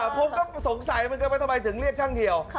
ผมก็สงสัยเหมือนกันว่าทำไมถึงเรียกช่างเหี่ยว